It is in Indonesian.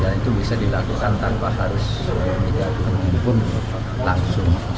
itu bisa dilakukan tanpa harus menjadi pun langsung